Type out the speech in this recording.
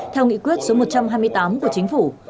theo nghị quyết số một trăm hai mươi tám của chính phủ